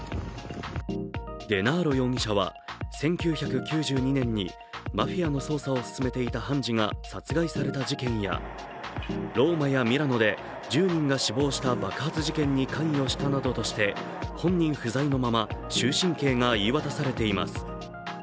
デナーロ容疑者は１９９２年に、マフィアの捜査を進めていた判事が殺害された事件やローマやミラノで１０人が死亡した爆発事件に関与したなどとして本人不在のまま、終身刑が言い渡されています。